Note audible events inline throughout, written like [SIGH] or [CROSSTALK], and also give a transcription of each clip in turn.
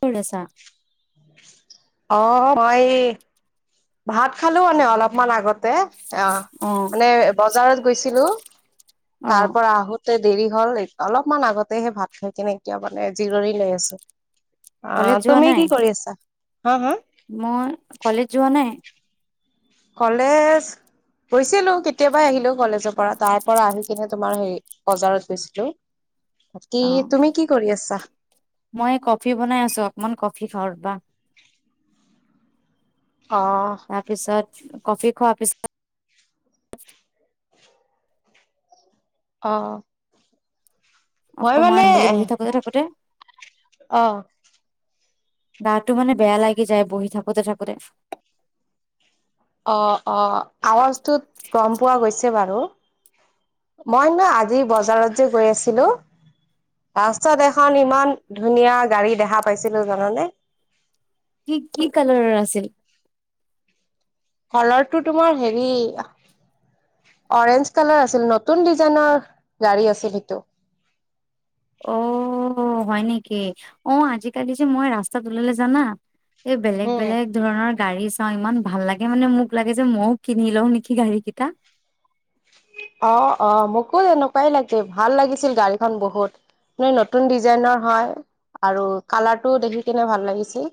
কৰি আছা? অ' মই ভাত খালোঁ মানে, অলপমান আগতে। অ'। মানে বজাৰত গৈছিলোঁ। অ তাৰ পৰা আহোঁ তে দেৰি হ'ল। অলপমান আগতেহে ভাত খাইকেনে এতিয়া মানে জিৰণি লৈ আছোঁ। অ' তুমি কি কৰি আছা? হা - হা? মোৰ কলেজ যোৱা নাই। কলেজ গৈছিলোঁ। কেতিয়াবাই আহিলোঁ কলেজৰ পৰা। তাৰপৰা আহি কিনে তোমাৰ হেৰি বজাৰত গৈছিলোঁ। বাকী, অ তুমি কি কৰি আছা? মই কফি বনাই আছোঁ অকমান। কফি খাওঁ ৰবা। অ', তাৰ পিছত কফি খোৱা পিছত অ'। মই মানে অকমান বুলি বহি থাকোঁতে - থাকোঁতে অ', গাটো মানে বেয়া লাগি যায়, বহি থাকোঁতে - থাকোঁতে। অ' - অ', আৱাজটোত গম পোৱা গৈছে বাৰু। মই নো আজি বজাৰত যে গৈ আছিলোঁ ৰাস্তাত এখন ইমান ধুনীয়া গাড়ী দেখা পাইছিলোঁ, জানানে? কি- কি কালাৰৰ আছিল? কলাৰটো তোমাৰ হেৰি অৰেঞ্জ কালাৰ আছিল। নতুন ডিজাইনৰ গাড়ী আছিল সেইটো। অ' হয় নেকি? অ' আজিকালি যে মই ৰাস্তাত ওলালে জানা এই বেলেগ - উম বেলেগ ধৰণৰ গাড়ী চাওঁ। ইমান ভাল লাগে মানে। মোক লাগে যে, মইয়ো কিনি লওঁ নেকি গাড়ীকেইটা। অ' - অ', মোকো এনেকুৱাই লাগে। ভাল লাগিছিল গাড়ীখন বহুত। ম নতুন ডিজাইনৰ হয় আৰু কালাৰটো দেখিকেনে ভাল লাগিছি।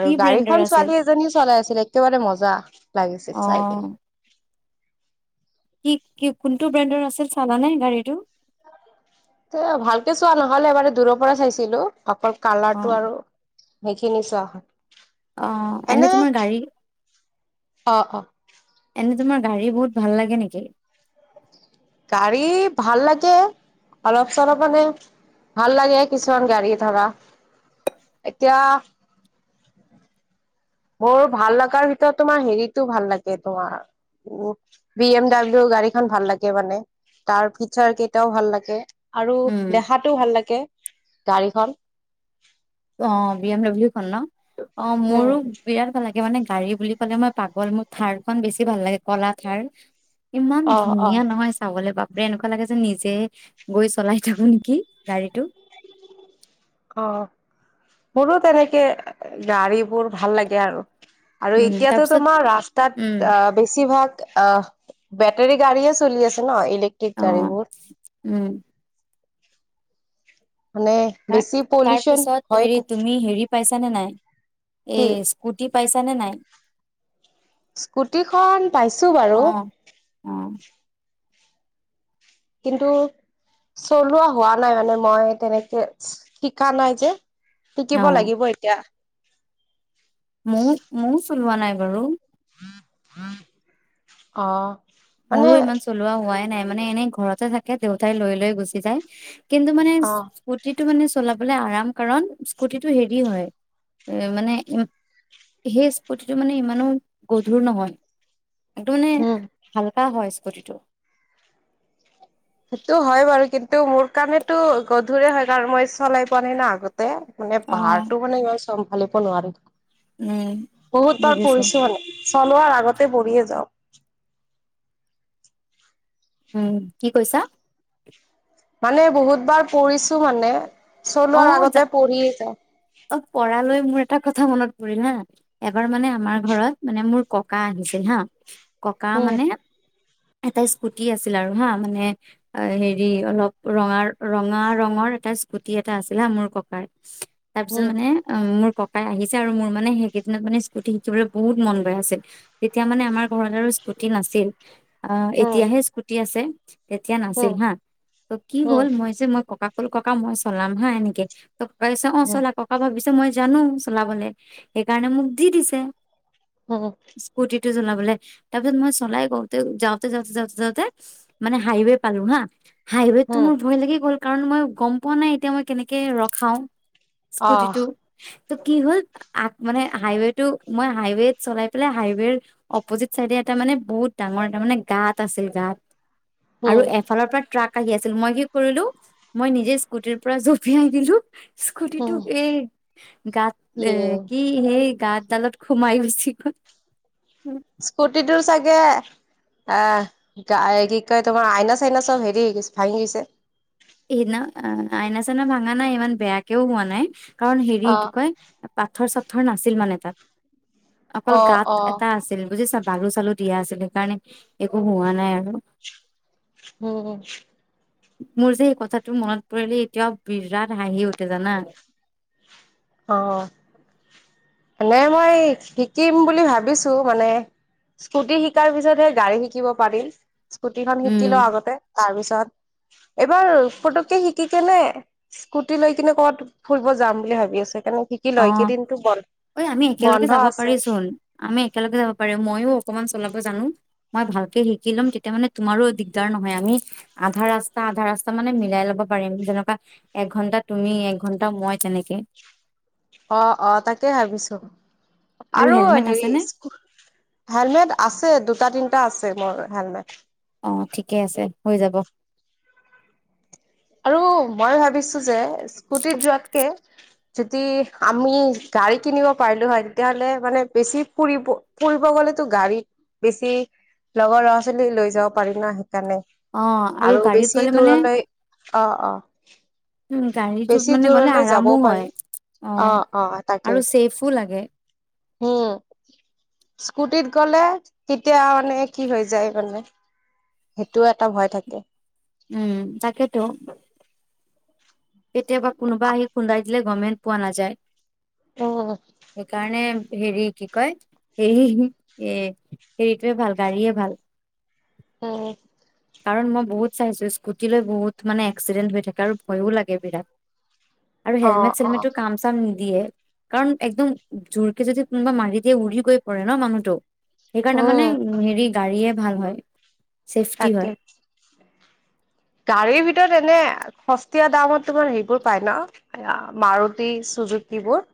কি ব্ৰেণ্ডৰ গাড়ীখন আছিল ছোৱালী এজনী চলাই আছিলে। একেবাৰে মজা লাগিছিল, চাই অ কিনে। কি- কি- কোনটো ব্ৰেণ্ডৰ আছিল চালানে গাড়ীটো? এ ভালকে চোৱা নহলে বাৰু। দূৰৰ পৰা চাইছিলোঁ, অকল কালাৰটো অ', আৰু। সেইখিনি চোৱা হ'ল। অ' এনে তোমাৰ গাড়ী, অ অ এনে তোমাৰ গাড়ী বহুত ভাল লাগে নেকি? গাড়ী ভাল লাগে। অলপ-চলপ মানে, ভাল লাগে কিছুমান গাড়ী, ধৰা এতিয়া [INAUDIBLE] মোৰ ভাল লগাৰ ভিতৰত তোমাৰ হেৰিটো ভাল লাগে তোমাৰ উ বি এম ডাব্লিউ গাড়ীখন ভাল লাগে মানে, তাৰ ফিচাৰ কেইটাও ভাল লাগে। আৰু উম, দেখাটো ভাল লাগে গাড়ীখন। অ বি এম ডাব্লিউ খন ন, অ মোৰো উম বিৰাট ভাল লাগে মানে গাড়ী বুলি মই‌ মানে পাগল মোৰ থাৰ খন বেছি ভাল লাগে কলা থাৰ। ইমান অ অ ধুনীয়া নহয় চাবলৈ বাপৰে এনেকুৱা লাগে যে নিজে গৈ চলাই থাকো নেকি গাড়ীটো। অ, মোৰো তেনেকে গাড়ীবোৰ ভাল লাগে আৰু। আৰু উম, এতিয়াতো তাৰপিছত তোমাৰ উম, ৰাস্তাত অ বেছিভাগ অ বেটেৰী গাড়ীয়ে চলি আছে ন ইলেক্ট্ৰিক অ', গাড়ীবোৰ। উম। মানে হা বেছি তাৰ পলিউচন পিছত হয় হেৰি তুমি হেৰি পাইছা নে নাই কি এই স্কুটি পাইছা নে নাই? স্কুটিখন পাইছো বাৰু। অ', অ', কিন্তু চলোৱা হোৱা নাই, মানে মই তেনেকে শিকা নাই যে। শিকিব অ'। লাগিব এতিয়া। মোৰ ময় চলোৱা নাই বাৰু। অ। মানে মোৰো ইমান চলোৱা হোৱাই নাই, মানে এনেই ঘৰতে থাকে দেউতাই লৈ লৈ গুচি যায়। কিন্তু মানে অ স্কুটি টো মানে চলাবলে আৰাম, কাৰণ স্কুটিটো হেৰি হয় এ মানে ই সেই স্কুতিটো মানে ইমানো গধুৰ নহয়। একদমে উম হালকা হয় স্কুটিটো। সেইটো হয় বাৰু। কিন্তু মোৰ কাৰণেতো গধুৰে হয় কাৰণ মই চলাই পোৱা নাই ন আগতে। মানে অ পাহাৰটো মানে ইমান চম্ভালিব নোৱাৰো। উম বহুত বাৰ বুজিছো পৰিছো মানে। চলোৱাৰ আগতে পৰিয়ে যাও। উম কি কৈছা? মানে বহুত বাৰ পৰিছো মানে। অ চলোৱাৰ যা আগতে পৰিয়ে যাওঁ অ পঢ়ালৈ মোৰ এটা কথা মনত পৰি না। এবাৰ মানে আমাৰ ঘৰত মানে মোৰ ককা আহিছে হা, ককা উম মানে এটা স্কুটি আছিল আৰু হা, মানে হেৰি অলপ ৰঙা ৰঙা ৰঙৰ এটা স্কুটি এটা আছিলে মোৰ ককাৰ, তাৰ পিছত উম মানে অ মোৰ ক কা আহিছে আৰু মোৰ মানে সেইকেইদিনত মানে স্কুটি শিকিবলৈ বহুত মন গৈ আছিল। তেতিয়া মানে আমাৰ ঘৰত আৰু স্কুটি নাছিল। অ এতিয়াহে উম স্কুটি আছে, তেতিয়া নাছিল হা, ত কি উম হ'ল মই যে মই ককাক ব'ল ককা মই চলাম হা এনেকে, ত কাক অ উম চলা ককা ভাবিছো মই জানো চলাবলে, সেইকাৰণে মোক দি দিছে। অহ। টো চলাবলে, তাৰ পিছত মই চলাই গওঁতে যাওঁতে যাওঁতে যাওঁতে যাওঁতে মানে হাইৱে পালো হা হাইৱেটো উম মোৰ ভয় লাগি গ'ল, কাৰণ মই গম পোৱা নাই এতিয়া মই কেনেকে ৰখাও স্কুটিটো। আহ ত কি হ'ল, মানে হাইৱেটো মই হাইৱেত চলাই পেলাই হাইৱেৰ অপজিত চাইডে তাৰ মানে বহুত ডাঙৰ এটা মানে গাত আছিল গাত। আৰু উম এফালৰ পৰা ট্ৰাক আহি আছিল, মই কি কৰিলো মই নিজে কোটিৰ পৰা জঁপিয়াই দিলো। উম স্কুটিটোক এই গাত এ ইয়ে কি সেই গাত ডালত সোমাই গৈছি গল। স্কুটিটোৰ চাগে, আহ কি কয় তোমাৰ আইনা চাইনা চব হেৰি গৈছে ভাঙি গৈছে। সেইদিনা আইনা চাইনা ভাঙা নাই, ইমান বেয়াকেও হোৱা নাই। কাৰণ হেৰি অ কি কয় পাথৰ চাথৰ নাছিল মানে তাত। অকল অ গাত অ এটা আছিল বুজিছ। বালু চালু দিয়া আছিল। সেইকাৰণে একো হোৱা নাই আৰু। উম। মোৰ যে এই কথাটো মনত পৰিলে এতিয়াও বিৰাট হাঁহি উঠে জানা। অ এনে মই শিকিম বুলি ভাবিছো মানে। স্কুটি শিকাৰ পিছতহে গাড়ী শিকিব পাৰিম, স্কুটিখন শিকিলো উম আগতে। তাৰপিছত, এবাৰ ফতুকে শিকি কেনে স্কুটি লৈ কিনে ক'বাত ফুৰিব যাম বুলি ভাবি আছো। সেইকাৰণে শিকি লই এইকিদিনটো বৰ, অঐ আমি একেলগে যাব পাৰি চোন আমি একেলগে যাব পাৰিম ময়ো অকমান চলাব। জানো মই ভালকে শিকি লম তেতিয়া মানে তুমাৰো দিগদাৰ নহয় আমি আধা ৰাস্তা আধা ৰাস্তা মানে মিলাই লব পাৰিম। যেনেকোৱা এক ঘন্টা তুমি এক ঘন্টা মই তেনেকে। অ অ তাকে ভাবিছো। আৰু হেলমেট হেৰি আছেনে হেলমেট আছে দুটা তিনি টা আছে মোৰ হেলমেট অ ঠিকে আছে হৈ যাব। আৰু মই ভাবিছো যে স্কুটিত যোৱাতকে যদি আমি- গাড়ী কিনিব পাৰিলো হয় তেতিয়াহ'লে মানে বেছি ফুৰিব ফুৰিব গলেতো গাড়ী। বেছি লগৰ ল'ৰা ছোৱালী লৈ যাব পাৰিম নাই। সেইকাৰণে অ', আৰু গাড়ীত বেছি গ'লে মানে দূৰলৈ অ অ। উম গাড়ীটো বেছি মানে গ'লে দূৰলৈ আৰামো যাবও পাৰি হয়। অ অ তাকে আৰু ছেফো লাগে। উম স্কুটিত গ'লে তেতিয়া মানে কি হৈ যায় মানে। সেইটোও এটা ভয় থাকে। উম তাকেইতো। কেতিয়াবা কোনোবা আহি খুন্দাই দিলে গভমেণ্ট পোৱা নাযায়। উম সেইকাৰণে। হেৰি কি কয় হেৰি এ হেৰিটয়ে ভাল গাড়ীয়ে ভাল। উম। কাৰণ মই বহুত চাইছো স্কুটিলৈ বহুত মানে এক্সিডেণ্ট হৈ থাকে আৰু ভয়ো লাগে বিৰাট। আৰু অ হেলমেট অ চেলমেটটো কাম চাম নি দিয়ে কাৰণ একদম জোৰকে যদি কোনোবা মাৰি দিয়ে উৰি গৈ পৰে ন মানুহটো সেইকাৰণে মানে উম হেৰি গাড়ীয়ে ভাল হয়। চেফটি থাকে। [UNINTELLIGIBLE] গাড়ীৰ ভিতৰত এনে সস্তিয়া দামত তোমাৰ হেইবোৰ পাই ন মাৰুতি চুযুক্তিবোৰ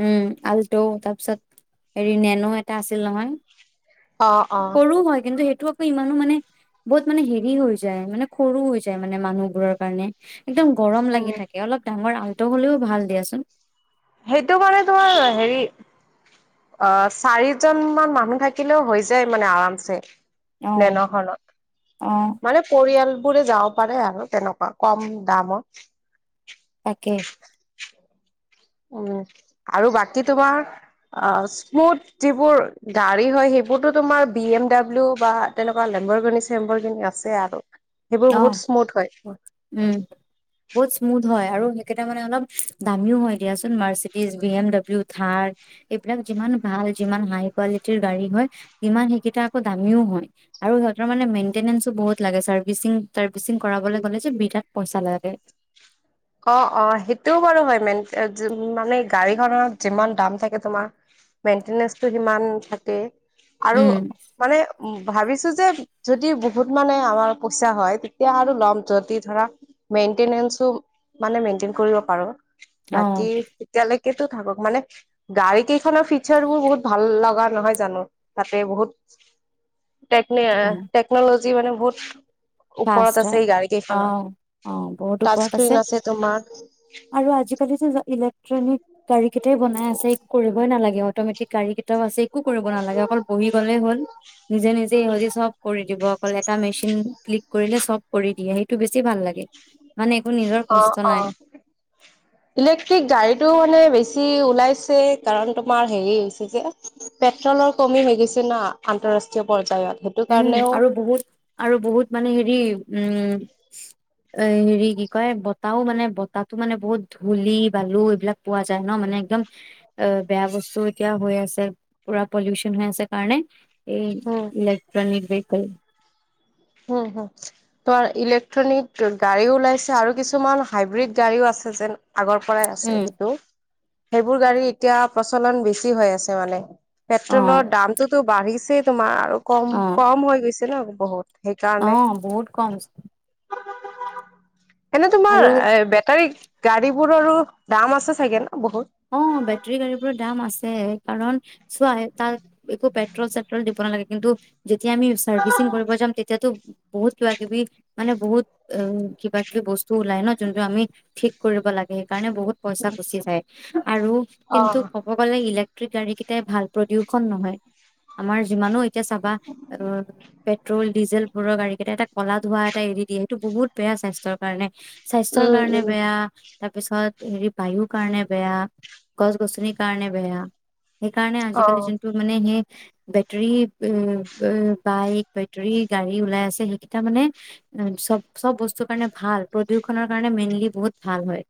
উম আলট তাৰপিছত হেৰি নেনো এটা আছিল নহয়। উম কৰো হয় কিন্তু সেইটো আকৌ ইমানো মানে বহুত মানে হেৰি হৈ যায় মানে সৰু হৈ যায় মানে মানুহবোৰৰ কাৰণে। একদম গৰম লাগি থাকে অলপ ডাঙৰ আলটো হলেও ভাল দিয়াচোন। সেইটো মানে তোমাৰ হেৰি। অ চাৰিজন মান মানুহ থাকিলেও হৈ যায় মানে আৰামছে অ নেনখনত অ মানে পৰিয়াল পুৰে যাব পাৰে আৰু তেনেকোৱা কম দামত। তাকে। উম আৰু বাকী তোমাৰ অ স্মুথ যিবোৰ গাড়ী হয় সেই হেতো তোমাৰ বি এম ডাব্লিউ বা তেনেকোৱা লেম্বৰ গিনি চেম্বৰ গিনি আছে আৰু সেইবোৰ অ বহুত স্মুথ হয় উম বহুত স্মুথ হয় আৰু সেইকেইটা মানে অলপ দামিও হয় দিয়াচোন মাৰ্চিডিজ বি এম ডাব্লিউ থাৰ এইবিলাক যিমান ভাল যিমান হাই কোৱালিটিৰ গাড়ী হয় সিমান সেইকেইটা আকৌ দামীও হয় আৰু সিহঁতৰ মে মেইনটেইনেঞ্চো বহুত লাগে চাৰ্ভিং তাৰ্বিচিং কৰাবলে কলে যে বিৰাট পইচা লাগে অ অ সেইটোও বাৰু হয় মেন মানে গাড়ীখনত যিমান দাম থাকে তোমাৰ মেইনটেনেঞ্চটো সিমান থাকে আৰু উম মানে উম ভাবিছো যে যদি বহুত মানে আমাৰ পইচা হয় তেতিয়া আৰু ল'ম যদি ধৰা মেনটেইনেঞ্চটো মানে মেইনটেন কৰিব পাৰো অ বাকি এতিয়ালেকে লেকে থাকক মানে গাড়ী কেইখনৰ ফিচাৰ বোৰ বহুত ভাল লগা নহয় জানো তাতে বহুত [INAUDIBLE] টেকনিয়াৰ টেকনলজি মানে বহুত ফাৰ্ষ্ট ওপৰত আছে হয় এই গাড়ী অ কেইখনত অ বহুত টাচ ওপৰত স্ক্ৰিন আছে। তোমাৰ আৰু আজিকালি যে ইলেক্ট্ৰনিক গাড়ীকেটাই বনাই আছে একো কৰিবই নালাগে অট'মেটিক গাড়ী কেইটাও আছে একো কৰিব নালাগে অকল বহি গ'লেই হ'ল। নিজে নিজে ইহঁতি চব কৰি দিব। অকল এটা মেচিন ক্লিক কৰিলে চব কৰি দিয়ে সেইটো বেছি ভাল লাগে মানে। একো নিজৰ অ কষ্ট অ নাই ইলেক্ট্ৰিক গাড়ীটো মানে বেছি। বেছি ওলাইছে কাৰণ তোমাৰ হেৰি হৈছে যে পেট্ৰলৰ কমি হৈ গৈছে না আন্ত ৰাষ্টীয় পৰ্যায়ত। সেইটো উম কাৰণেও আৰু বহুত আৰু বহুত মানে হেৰি উম। এ হেৰি কি কয় বতাহও মানে বতাহো মানে বহুত ধূলি বালু এইবিলাক পোৱা যায় ন মানে একদম অ বেয়া বস্তু এতিয়া হৈ আছে পুৰা পলিউচন হৈ আছে কাৰণে এই উম, ইলেক্ট্ৰনিক ভেৰিকল উম হুম ত ইলেকট্ৰনিক গাড়ী ওলাইছে আৰু কিছুমান হাইব্ৰীড গাড়ীও আছে। ছে যেন আগৰ পৰাই আছে উম সেইটো সেইবোৰ গাড়ী এতিয়া প্ৰচলন বেছি হৈ আছে মানে অ পেট্ৰলৰ দামটোতো বাঢ়িছেই তোমাৰ আৰু কম অ কম হৈ গৈছে ন বহুত অ সেইকাৰণে। বহুত কম। এনে আৰু তোমাৰ এ বেটাৰী গাড়ী বোৰৰো দাম আছে চাগে ন বহুত? অ বেটৰী গাড়ী বোৰৰ দাম আছে কাৰণ চোৱা তাত, একো পেট্ৰল চেট্ৰল দিব নালাগে কিন্তু যেতিয়া আমি চাৰ্ভিচিং কৰিব যাম তেতিয়াতো বহুত কিবা কিবি মানে বহুত অ কিবা কিবি বস্তু ওলাই ন যোনটো আমি ঠিক কৰিব লাগে। কাৰণে বহুত পইচা গুচি যায় আৰু কিন্তু অ', ক'ব গলে ইলেক হঃই গাড়ী কেইটাই ভাল প্ৰদূষণ নহয়। আমাৰ যিমানো এতিয়া চাবা অ পেট্ৰল ডিজেল বোৰৰ গাড়ী কেইটা এটা, কলা ধোৱা এটা এৰি দিয়ে সেইটো বহুত বেয়া স্বাস্থ্যৰ কাৰণে স্বাস্থ্যৰ উম কাৰণে উম বেয়া তাৰপিছত হেৰি বায়ুৰ কাৰণে বেয়া গছ গছনিৰ কাৰণে বেয়া সেইকাৰণে অ আজিকালি যোনটো মানে সেই বেটৰী বাইক বেটৰী গাড়ী ওলাই আছে সেইকেইটা মানে চব চব বস্তুৰ কাৰণে ভাল প্ৰদূষণৰ কাৰণে মেইনলি বহুত ভাল হয়।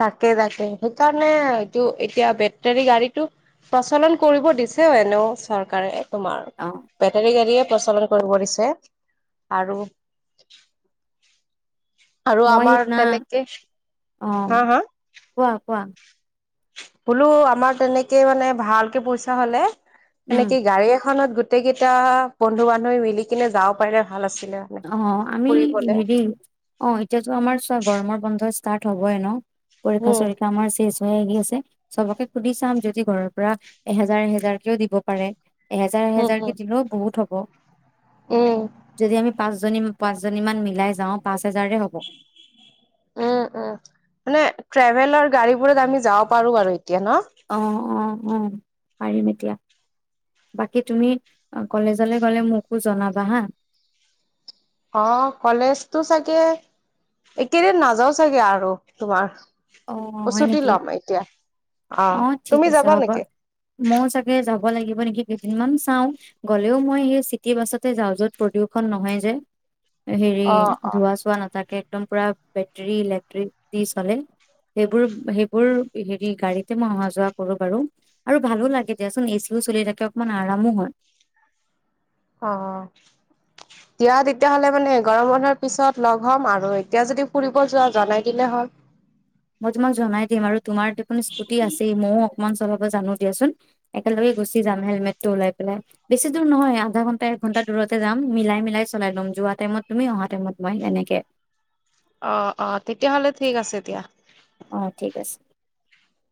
তাকে তাকে সেইকাৰণে এইটো এতিয়া বেটাৰী গাড়ীটো প্ৰচলন কৰিব দিছেও এনেও চৰকাৰে তোমাৰ অ বেটাৰী গাড়ীয়ে প্ৰচলন কৰিব দিছে আৰু আৰু মই আমাৰ সেইদিনা তেনেকে অ হা হা কোৱা কোৱা বোলো আমাৰ তেনেকে মানে ভালকে পইচা হলে উম সেনেকে গাড়ী এখনত গোটেই কেইটা বন্ধু বান্ধৱী মিলি কিনে যাব পাৰে। অ আমি হেৰি অ এতিয়াতো আমাৰ চোৱা গৰমৰ বন্ধ ষ্টাৰ্ট হবয়ে ন পৰীক্ষা উম চৰীক্ষা আমাৰ চেচ সময় আহি আছে চবকে সুধি চাম যদি ঘৰৰ পৰা এহেজাৰ এহেজাৰকেও দিব পাৰে এহেজাৰ উম এহেজাৰ কে উম দিলেও বহুত হব উম যদি আমি পাঁচজনী পাঁচ জনী মান মিলাই যাওঁ পাঁচ হেজাৰে হব উম উম মানে ট্ৰেভেলৰ গাড়ীবোৰত আমি যাব পাৰোঁ আৰু এতিয়া ন আহ অ অ পাৰিম এতিয়া। বাকী তুমি কলেজলৈ গ'লে মোকো জনাবা হা অ কলেজতো চাগে একেইদিন নাযাওঁ চাগে আৰু তোমাৰ অ হয় চুতি নেকি ল'ম এতিয়া। অ ঠিক তুমি আছে যাবা হ'বা নেকি ময় চাগে যাব। [UNINTELLIGIBLE] লাগিব নেকি কেইদিনমান চাও গ'লেও মই সেই চিটি বাছতে যাও য'ত প্ৰদূষন নহয় যে [UNINTELLIGIBLE] হেৰি অ অ ধোৱা চোৱা নাথাকে একদম পুৰা বেটৰী ইলেক্ট্ৰিকি চলে। [UNINTELLIGIBLE] সেইবোৰ সেইবোৰ হেৰি গাড়ীতে মই অহা যোৱা কৰো বাৰু আৰু ভালো লাগে দিয়াচোন এচ। চলি থাকে অকমান আৰামো হয়। অ। এতিয়া তেতিয়াহ'লে মানে এঘাৰ মানৰ পিছত লগ হ'ম আৰু এতিয়া যদি ফুৰিব যোৱা জনাই দিলে হ'ল। [UNINTELLIGIBLE] মই তোমাক জনাই দিম আৰু তোমাৰ দেখোন স্কুটি আছেই ম। অকমান চলাব জানো দিয়াচোন একেলগে গুচি যাম হেলমেট ওলাই পেলাই বেছি দূৰ নহয় আধা ঘন্টাই। [UNINTELLIGIBLE] এক ঘণ্টা দূৰতে যাম মিলাই মিলাই চলাই লম যোৱা টাইমত তুমি অহা টাইমত মই এনেকে। অ অ তেতিয়াহ'লে ঠিক আছে দিয়া। অ ঠিক আছে।